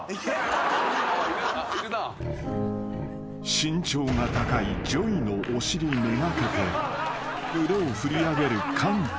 ［身長が高いＪＯＹのお尻目がけて腕を振り上げる館長］